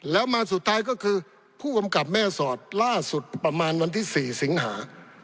แล้วมาสุดท้ายก็คือผู้กำกับแม่สอดล่าสุดประมาณวันที่๔สิงหา